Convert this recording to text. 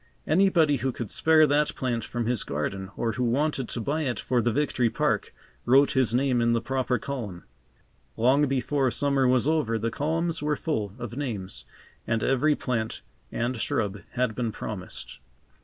Anybody who could spare that plant from his garden or who wanted to buy it for the Victory Park, wrote his name in the proper column. Long before summer was over the columns were full of names and every plant and shrub had been promised.